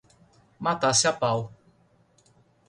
Matasse a pau